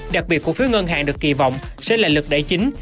đặc biệt cổ phiếu ngân hàng được kỳ vọng sẽ là lực đải chính